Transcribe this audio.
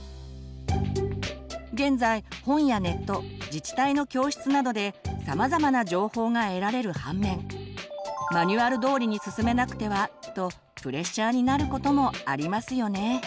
現在本やネット自治体の教室などでさまざまな情報が得られる反面マニュアル通りに進めなくてはとプレッシャーになることもありますよね。